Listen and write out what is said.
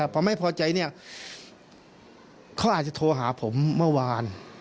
พอไม่พอใจเนี่ยเขาอาจจะโทรหาผมเมื่อวาน